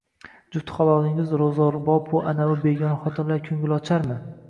Jufti halolingiz ro‘zg‘orbop-u, anavi begona xotinlar ko‘ngilocharmi?